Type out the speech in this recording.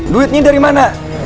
duitnya dari mana